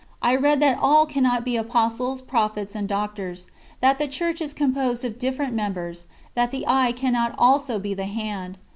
I read that all cannot become Apostles, Prophets, and Doctors; that the Church is composed of different members; that the eye cannot also be the hand.